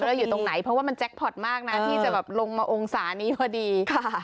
เพราะว่ามันแจ็คพอตมากนะที่จะลงมาองศานี้พอดี